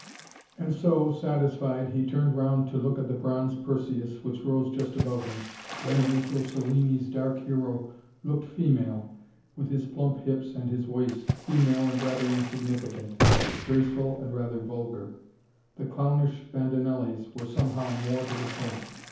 And so, satisfied, he turned round to look at the bronze Perseus which rose just above him. Benvenuto Cellini's dark hero looked female, with his plump hips and his waist, female and rather insignificant: graceful, and rather vulgar. The clownish Bandinellis were somehow more to the point.